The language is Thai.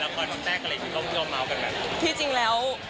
ในหลังจากการเลือกจะใส่ประโยชน์จากนั้นใช่ค่ะ